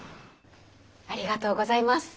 ありがとうございます。